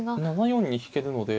７四に引けるので。